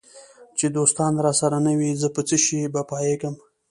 چي دوستان راسره نه وي زه په څشي به پایېږم